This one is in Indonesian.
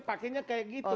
pakainya kayak gitu